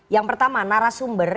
yang pertama narasumber